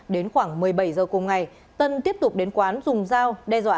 đến khoảng một mươi bảy h cùng ngày tân tiếp tục đến quán dùng dao